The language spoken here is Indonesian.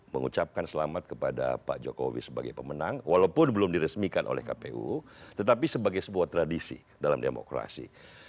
mengucapkan selamat kepada pak jokowi sebagai pemenang walaupun belum diresmikan oleh kpu tetapi sebagai sebuah tradisi dalam demokrasi